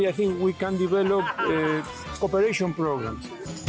เราคิดว่าเราสามารถสร้างโปรแบรนด์